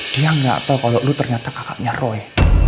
dia gak tau kalau lu ternyata kakaknya roy